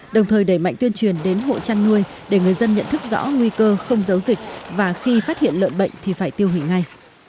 đồng thời đẩy mạnh tuyên truyền đến hộ chăn nuôi để người dân nhận thức rõ nguy cơ không giấu dịch và khi phát hiện lợn bệnh thì phải tiêu hủy ngay